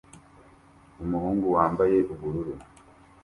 Umuhungu wambaye ubururu